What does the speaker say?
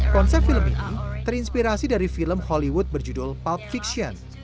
konsep film ini terinspirasi dari film hollywood berjudul pulp fiction